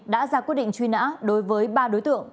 đã ra quyết định truy nã đối với ba đối tượng